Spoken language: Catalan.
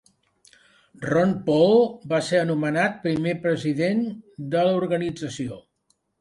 Ron Paul va ser nomenat primer president de l'organització.